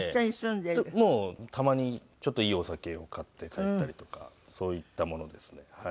たまにちょっといいお酒を買って帰ったりとかそういったものですね。